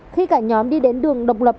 khi cả nhóm đi đến đường độc lập